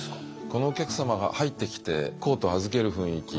このお客様が入ってきてコートを預ける雰囲気